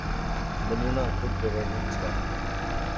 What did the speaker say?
نمونہ good governance کا۔